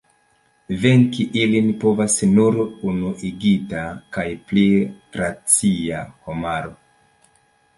Venki ilin povos nur unuigita kaj pli racia homaro.